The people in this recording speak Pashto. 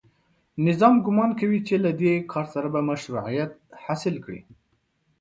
نظام ګومان کوي چې له دې کار سره به مشروعیت حاصل کړي